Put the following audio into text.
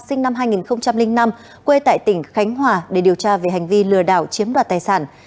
sinh năm hai nghìn năm quê tại tỉnh khánh hòa để điều tra về hành vi lừa đảo chiếm đoạt tài sản